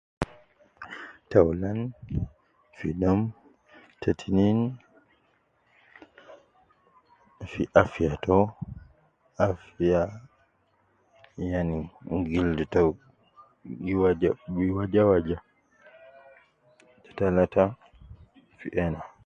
Taulan fi dom, te tinin fi afiya to, afiya yan gildu to gi waja gi waja waja, te talata fi ena